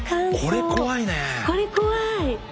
これ怖い！